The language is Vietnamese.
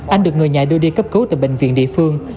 anh được người nhà đưa đi cấp cứu tại bệnh viện địa phương